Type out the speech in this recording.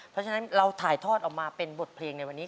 เพราะฉะนั้นเราถ่ายทอดออกมาเป็นบทเพลงในวันนี้